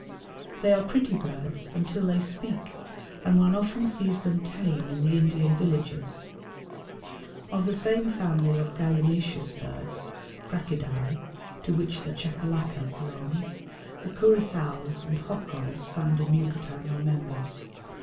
They are pretty birds until they speak, and one often sees them tame in the Indian villages. Of the same family of gallinaceous birds (Cracidæ) to which the chachalaca belongs, the curassows and hoccos found in Yucatan are members.